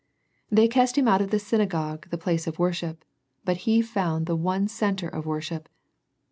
They cast him out of the synagogue the place of worship, but he found the one Centre of worship.